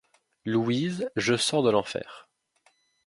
Louise, je sors de l’enfer !